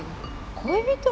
恋人！？